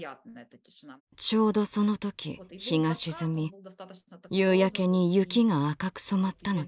ちょうどその時日が沈み夕焼けに雪が赤く染まったのです。